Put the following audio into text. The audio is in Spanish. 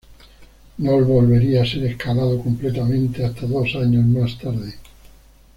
No volvería a ser escalado completamente hasta dos años más tarde.